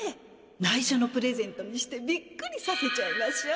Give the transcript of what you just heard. ないしょのプレゼントにしてびっくりさせちゃいましょ。